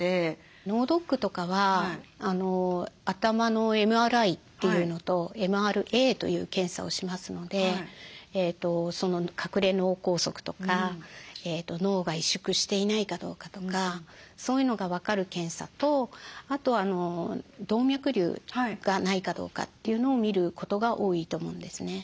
脳ドックとかは頭のＭＲＩというのとＭＲＡという検査をしますので隠れ脳梗塞とか脳が萎縮していないかどうかとかそういうのが分かる検査とあと動脈りゅうがないかどうかというのを診ることが多いと思うんですね。